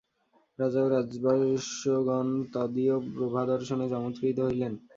রাজা ও রাজবয়স্যগণ তদীয়প্রভাদর্শনে চমৎকৃত হইলেন।